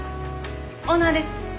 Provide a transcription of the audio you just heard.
オーナーです。